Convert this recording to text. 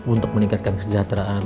untuk meningkatkan kesejahteraan